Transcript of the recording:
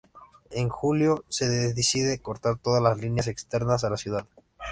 En julio se decide cortar todas las líneas externas a la ciudad.